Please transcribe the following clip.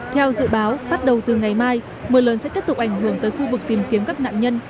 theo dự báo bắt đầu từ ngày mai mưa lớn sẽ tiếp tục ảnh hưởng tới khu vực tìm kiếm các nạn nhân